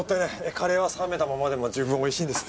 カレーは冷めたままでも十分おいしいんです。